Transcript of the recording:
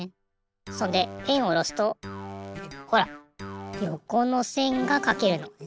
そんでペンをおろすとほらよこのせんがかけるの。